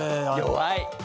弱い！